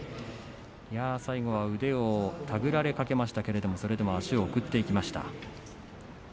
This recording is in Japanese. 最後は腕を手繰られかけましたけれどもそれでも足を送っていきました。